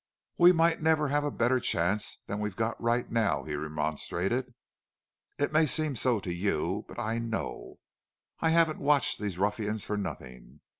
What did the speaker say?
"We might never have a better chance than we've got right now," he remonstrated. "It may seem so to you. But I KNOW. I haven't watched these ruffians for nothing.